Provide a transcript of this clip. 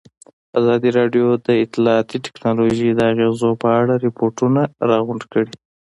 ازادي راډیو د اطلاعاتی تکنالوژي د اغېزو په اړه ریپوټونه راغونډ کړي.